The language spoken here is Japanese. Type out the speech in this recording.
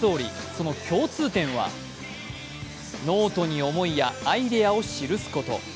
その共通点はノートに思いやアイデアを記すこと。